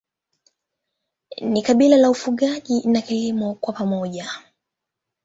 Ni kabila la ufugaji na kilimo kwa pamoja.